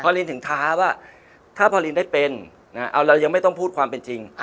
พอลินถึงท้าว่าถ้าพอลินได้เป็นเรายังไม่ต้องพูดความเป็นจริง